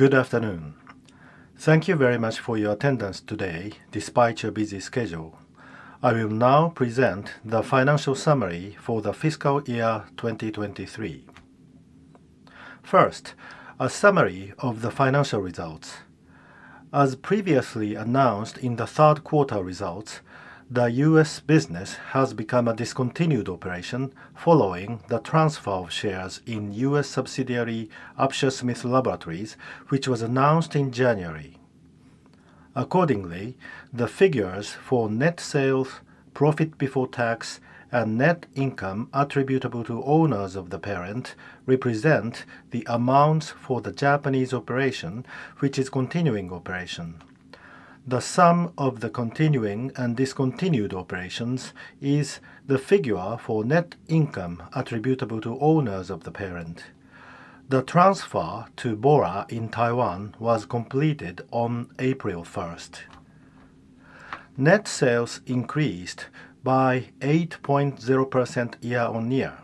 Good afternoon. Thank you very much for your attendance today despite your busy schedule. I will now present the financial summary for the FY 2023. First, a summary of the financial results. As previously announced in the third quarter results, the U.S. business has become a discontinued operation following the transfer of shares in U.S. subsidiary, Upsher-Smith Laboratories, which was announced in January. Accordingly, the figures for net sales, profit before tax, and net income attributable to owners of the parent, represent the amounts for the Japanese operation, which is continuing operation. The sum of the continuing and discontinued operations is the figure for net income attributable to owners of the parent. The transfer to Bora in Taiwan was completed on April 1st. Net sales increased by 8.0% year-on-year,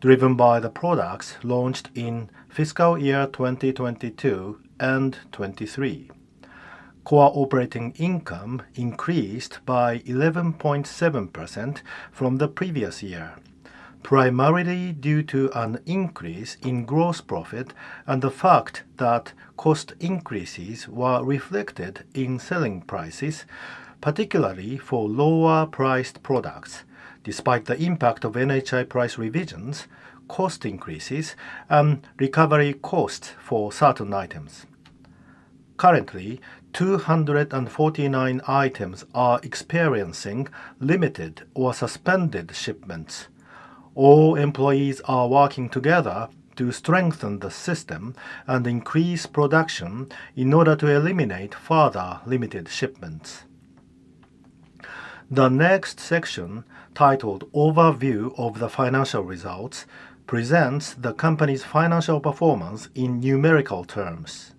driven by the products launched in FY 2022 and FY 2023. Core operating income increased by 11.7% from the previous year, primarily due to an increase in gross profit and the fact that cost increases were reflected in selling prices, particularly for lower priced products, despite the impact of NHI price revisions, cost increases, and recovery costs for certain items. Currently, 249 items are experiencing limited or suspended shipments. All employees are working together to strengthen the system and increase production in order to eliminate further limited shipments. The next section, titled "Overview of the Financial Results," presents the company's financial performance in numerical terms.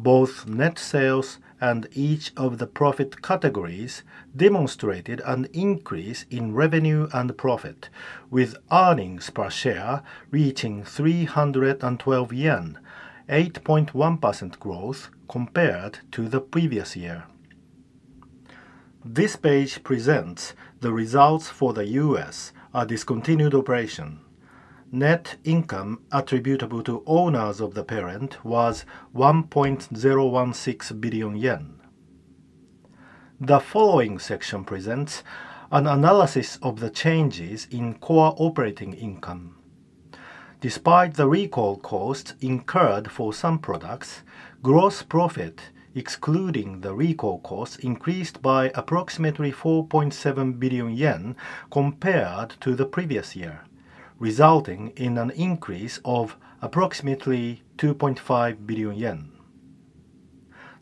Both net sales and each of the profit categories demonstrated an increase in revenue and profit, with earnings per share reaching 312 yen, 8.1% growth compared to the previous year. This page presents the results for the U.S., a discontinued operation. Net income attributable to owners of the parent was 1.016 billion yen. The following section presents an analysis of the changes in core operating income. Despite the recall costs incurred for some products, gross profit, excluding the recall costs, increased by approximately 4.7 billion yen compared to the previous year, resulting in an increase of approximately 2.5 billion yen.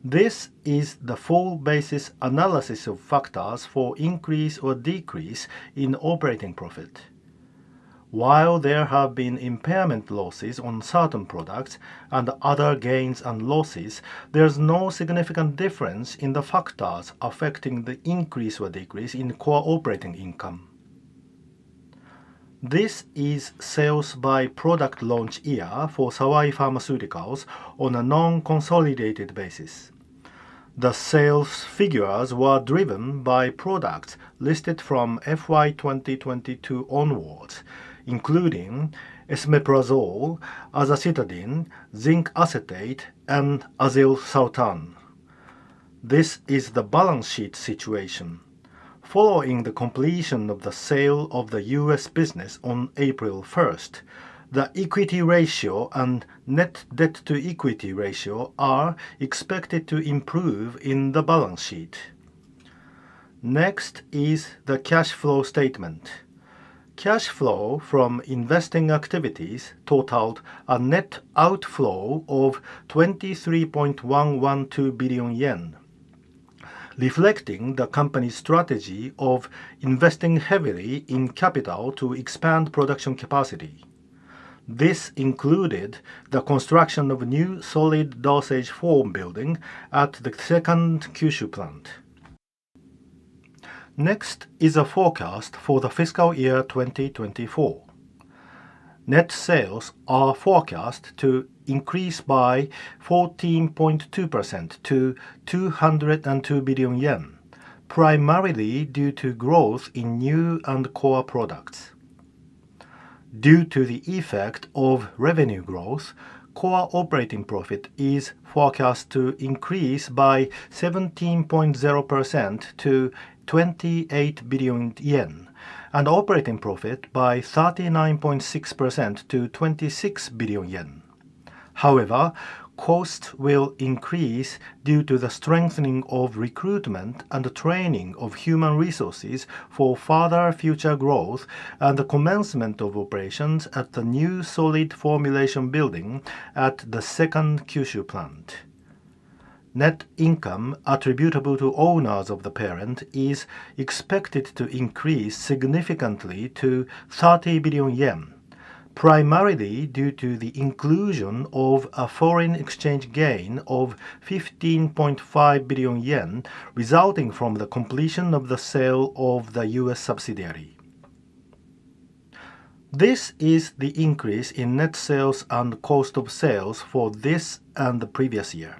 This is the full basis analysis of factors for increase or decrease in operating profit. While there have been impairment losses on certain products and other gains and losses, there's no significant difference in the factors affecting the increase or decrease in core operating income. This is sales by product launch year for Sawai Pharmaceutical on a non-consolidated basis. The sales figures were driven by products listed from FY 2022 onwards, including esomeprazole, azacitidine, zinc acetate, and azilsartan. This is the balance sheet situation. Following the completion of the sale of the U.S. business on April 1st, the equity ratio and net debt-to-equity ratio are expected to improve in the balance sheet. Next is the cash flow statement. Cash flow from investing activities totaled a net outflow of 23.112 billion yen, reflecting the company's strategy of investing heavily in capital to expand production capacity. This included the construction of a new solid dosage form building at the second Kyushu plant. Next is a forecast for the FY 2024. Net sales are forecast to increase by 14.2% to 202 billion yen, primarily due to growth in new and core products. Due to the effect of revenue growth, core operating profit is forecast to increase by 17.0% to 28 billion yen, and operating profit by 39.6% to 26 billion yen. However, costs will increase due to the strengthening of recruitment and training of human resources for further future growth and the commencement of operations at the new solid formulation building at the second Kyushu plant. Net income attributable to owners of the parent is expected to increase significantly to 30 billion yen, primarily due to the inclusion of a foreign exchange gain of 15.5 billion yen resulting from the completion of the sale of the U.S. subsidiary. This is the increase in net sales and cost of sales for this and the previous year.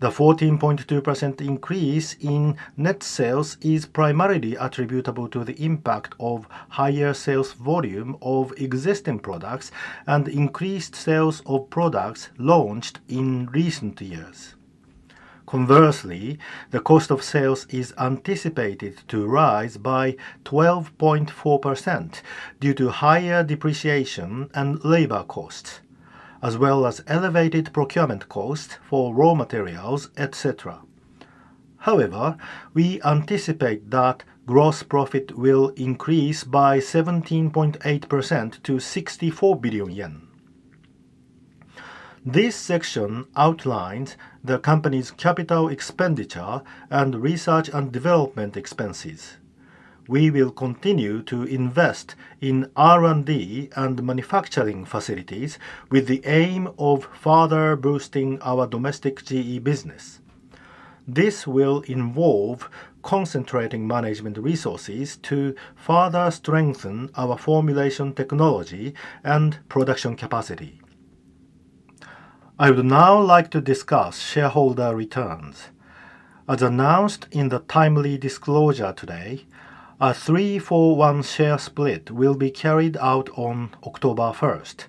The 14.2% increase in net sales is primarily attributable to the impact of higher sales volume of existing products and increased sales of products launched in recent years. Conversely, the cost of sales is anticipated to rise by 12.4% due to higher depreciation and labor costs, as well as elevated procurement costs for raw materials, et cetera. However, we anticipate that gross profit will increase by 17.8% to 64 billion yen. This section outlines the company's capital expenditure and research and development expenses. We will continue to invest in R&D and manufacturing facilities with the aim of further boosting our domestic GE business. This will involve concentrating management resources to further strengthen our formulation technology and production capacity. I would now like to discuss shareholder returns. As announced in the timely disclosure today, a 3-for-1 share split will be carried out on October 1st.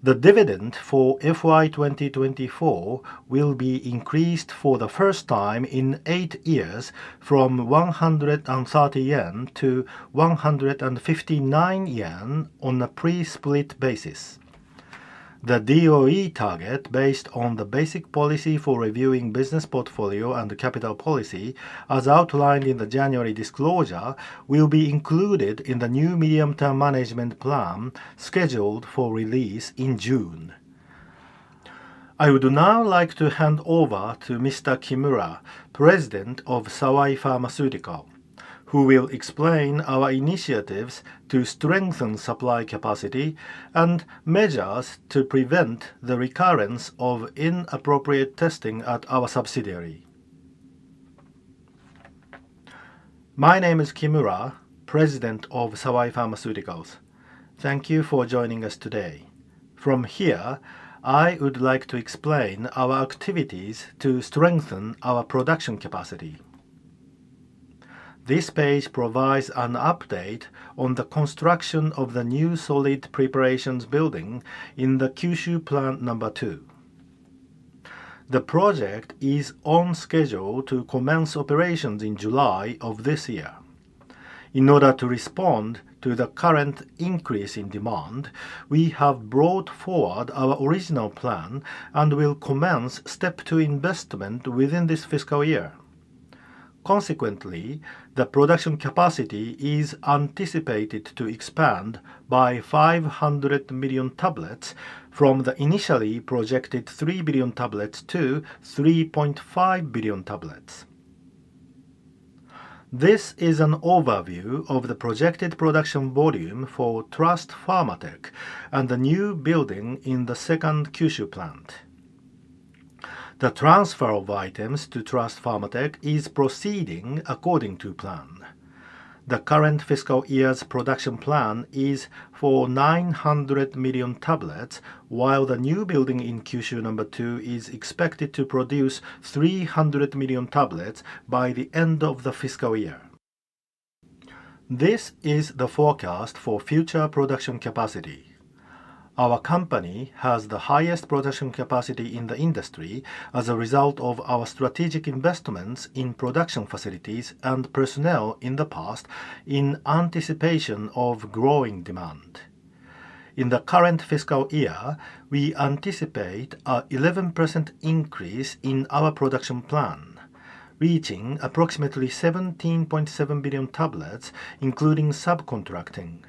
The dividend for FY 2024 will be increased for the first time in eight years from 130 yen to 159 yen on a pre-split basis. The DOE target, based on the basic policy for reviewing business portfolio and capital policy as outlined in the January disclosure, will be included in the new medium-term management plan scheduled for release in June. I would now like to hand over to Mr. Kimura, President of Sawai Pharmaceutical, who will explain our initiatives to strengthen supply capacity and measures to prevent the recurrence of inappropriate testing at our subsidiary. My name is Kimura, President of Sawai Pharmaceutical. Thank you for joining us today. From here, I would like to explain our activities to strengthen our production capacity. This page provides an update on the construction of the new solid preparations building in the Kyushu Plant Number 2. The project is on schedule to commence operations in July of this year. In order to respond to the current increase in demand, we have brought forward our original plan and will commence step 2 investment within this fiscal year. Consequently, the production capacity is anticipated to expand by 500 million tablets from the initially projected 3 billion tablets to 3.5 billion tablets. This is an overview of the projected production volume for Trust Pharmatech and the new building in the second Kyushu plant. The transfer of items to Trust Pharmatech is proceeding according to plan. The current fiscal year's production plan is for 900 million tablets, while the new building in Kyushu Number 2 is expected to produce 300 million tablets by the end of the fiscal year. This is the forecast for future production capacity. Our company has the highest production capacity in the industry as a result of our strategic investments in production facilities and personnel in the past, in anticipation of growing demand. In the current fiscal year, we anticipate an 11% increase in our production plan, reaching approximately 17.7 billion tablets, including subcontracting.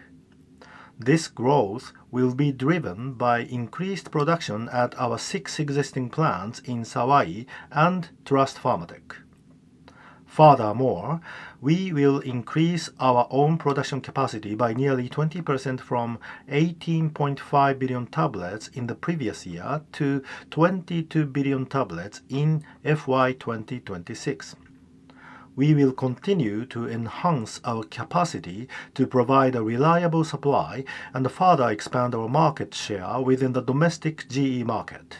This growth will be driven by increased production at our six existing plants in Sawai and Trust Pharmatech. Furthermore, we will increase our own production capacity by nearly 20% from 18.5 billion tablets in the previous year to 22 billion tablets in FY 2026. We will continue to enhance our capacity to provide a reliable supply and further expand our market share within the domestic GE market.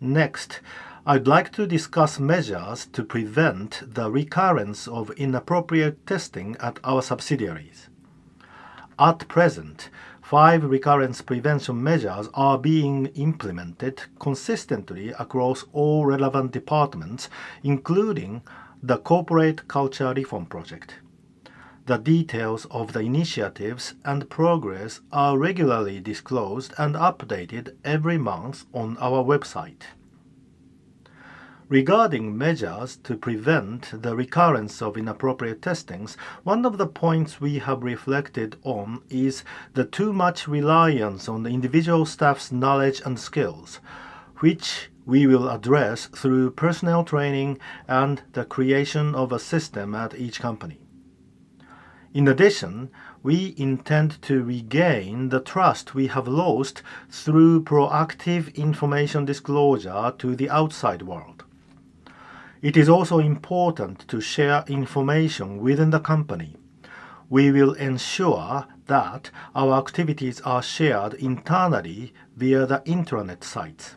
Next, I'd like to discuss measures to prevent the recurrence of inappropriate testing at our subsidiaries. At present, five recurrence prevention measures are being implemented consistently across all relevant departments, including the Corporate Culture Reform Project. The details of the initiatives and progress are regularly disclosed and updated every month on our website. Regarding measures to prevent the recurrence of inappropriate testing, one of the points we have reflected on is the too much reliance on the individual staff's knowledge and skills, which we will address through personnel training and the creation of a system at each company. In addition, we intend to regain the trust we have lost through proactive information disclosure to the outside world. It is also important to share information within the company. We will ensure that our activities are shared internally via the intranet sites.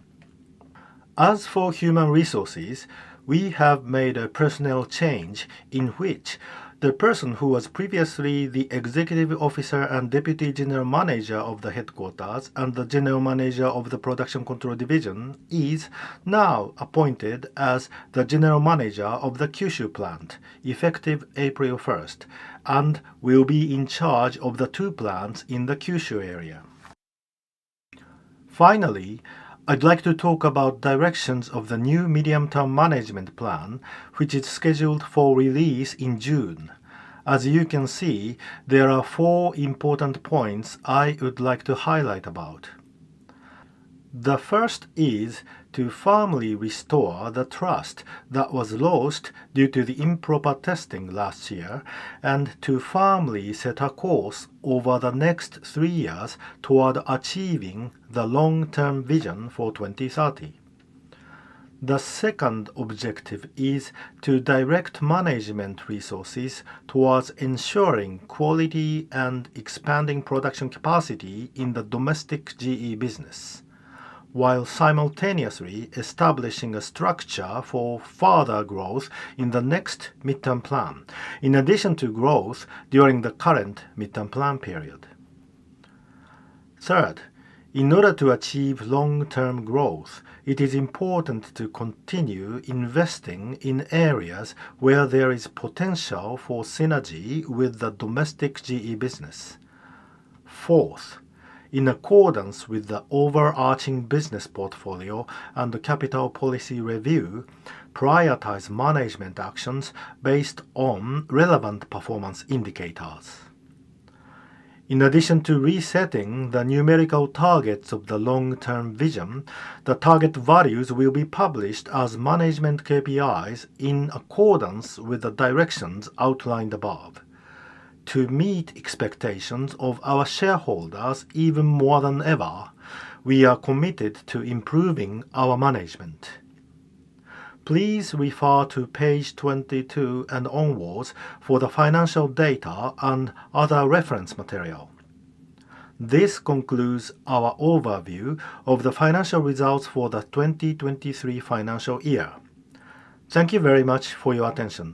As for human resources, we have made a personnel change in which the person who was previously the executive officer and deputy general manager of the headquarters and the general manager of the production control division is now appointed as the general manager of the Kyushu plant effective April 1st, and will be in charge of the two plants in the Kyushu area. Finally, I'd like to talk about directions of the new medium-term management plan, which is scheduled for release in June. As you can see, there are four important points I would like to highlight about. The first is to firmly restore the trust that was lost due to the improper testing last year, and to firmly set a course over the next three years toward achieving the long-term vision for 2030. The second objective is to direct management resources towards ensuring quality and expanding production capacity in the domestic GE business, while simultaneously establishing a structure for further growth in the next mid-term plan, in addition to growth during the current mid-term plan period. Third, in order to achieve long-term growth, it is important to continue investing in areas where there is potential for synergy with the domestic GE business. Fourth, in accordance with the overarching business portfolio and the capital policy review, prioritize management actions based on relevant performance indicators. In addition to resetting the numerical targets of the long-term vision, the target values will be published as management KPIs in accordance with the directions outlined above. To meet expectations of our shareholders even more than ever, we are committed to improving our management. Please refer to page 22 and onwards for the financial data and other reference material. This concludes our overview of the financial results for the 2023 financial year. Thank you very much for your attention.